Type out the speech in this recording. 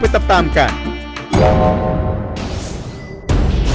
โปรดติดตามตอนต่อไป